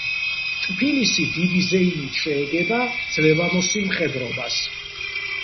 ტფილისი დიდი ზეიმით შეეგება ძლევამოსილ მხედრობას.